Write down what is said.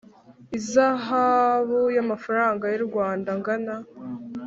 ihazabu y amafaranga y u Rwanda angana